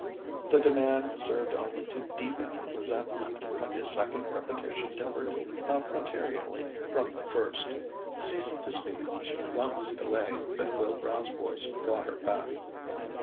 The demand served only to deepen her resentment, and the second repetition differed not materially from the first. Ceasing to speak, she flounced away, but Wilbrow's voice brought her back.